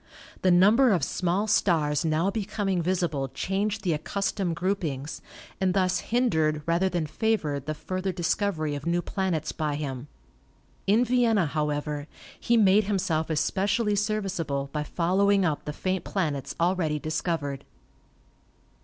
The number of small stars now becoming visible changed the accustomed groupings, and thus hindered rather than favored the further discovery of new planets by him. In Vienna, however, he made himself especially serviceable by following up the faint planets already discovered.